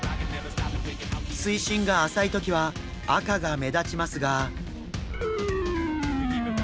水深が浅い時は赤が目立ちますが。